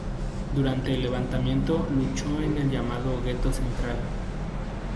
Durante el Levantamiento luchó en el llamado gueto central.